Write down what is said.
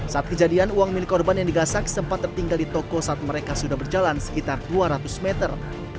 saat kejadian uang milik korban yang digasak sempat tertinggal di toko saat mereka sudah berjalan sekitar dua ratus meter